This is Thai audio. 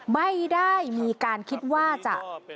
ไม่ได้มีการคิดว่าจะ